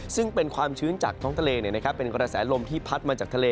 ซึ่งเป็นความชื้นจากท้องทะเลเป็นกระแสลมที่พัดมาจากทะเล